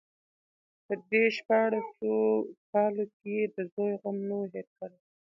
په دو شپاړسو کالو کې يې د زوى غم نه وي هېر کړى.